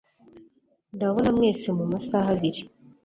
Ndababona mwese mumasaha abiri.